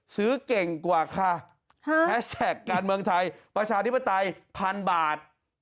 เก่งกว่าค่ะแฮชแท็กการเมืองไทยประชาธิปไตยพันบาท